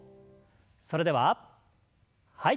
それでははい。